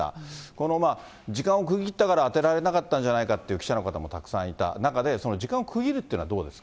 この時間を区切ったから当てられなかったんじゃないかっていう記者の方もたくさんいた中で、その時間を区切るというのはどうです